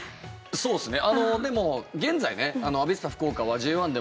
そうですね。